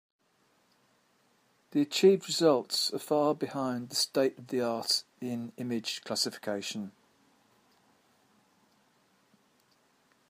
The achieved results are far behind the state-of-the-art in image classification.